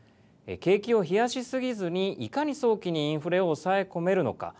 景気を冷やし過ぎずにいかに早期にインフレを抑え込めるのか。